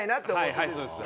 はいそうです。